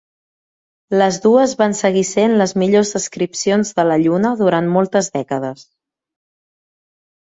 Les dues van seguir sent les millors descripcions de la Lluna durant moltes dècades.